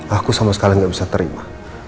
aku sama sekali gak bisa terima